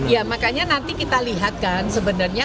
ya makanya nanti kita lihat kan sebenarnya